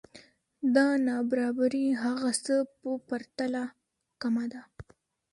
دا نابرابری هغه څه په پرتله کمه ده